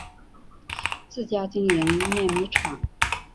自家经营碾米厂